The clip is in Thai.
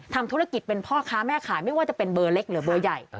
ทำธุรกิจเป็นพ่อค้าแม่ขายไม่ว่าจะเป็นเบอร์เล็กหรือเบอร์ใหญ่